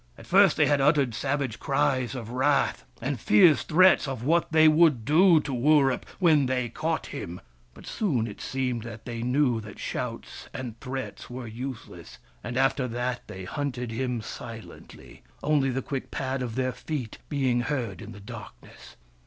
At first they had uttered savage cries of wrath, and fierce threats of what they would do to Wurip when they caught him ; but soon it seemed that they knew that shouts WURIP, THE FIRE BRINGER 253 and threats were useless, and after that they hunted him silently, only the quick pad of their feet being heard in the darkness.